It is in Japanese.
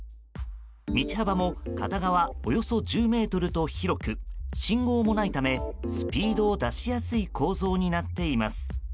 道幅も片側およそ１０ｍと広く信号もないためスピードを出しやすい構造になっています。